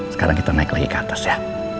sekarang kita naik lagi ke atas ya